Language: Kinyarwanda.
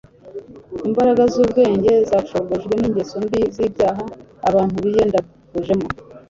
imbaraga z'ubwenge zacogojwe n'ingeso mbi z'ibyaha abantu biyandavujemo